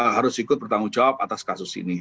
harus ikut bertanggung jawab atas kasus ini